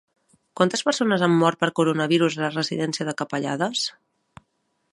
Quantes persones han mort per coronavirus a la residència de Capellades?